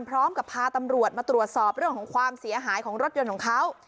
พร้อมกับพาตำรวจมาตรวจสอบเรื่องของความเสียหายของรถยนต์ของเขา